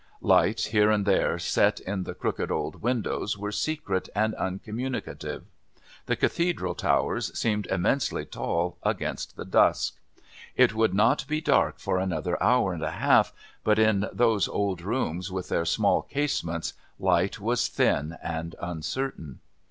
Lights here and there set in the crooked old windows were secret and uncommunicative: the Cathedral towers seemed immensely tall against the dusk. It would not be dark for another hour and a half, but in those old rooms with their small casements light was thin and uncertain.